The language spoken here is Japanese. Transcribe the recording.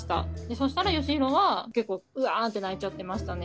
そしたらよしひろは結構うわんって泣いちゃってましたね。